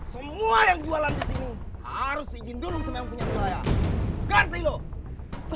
semua yang jualan disini harus izin dulu sama yang punya wilayah ganti lo